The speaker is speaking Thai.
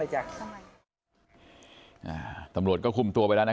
ครูจะฆ่าแม่ไม่รักตัวเอง